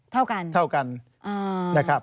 เท่ากันเท่ากันนะครับ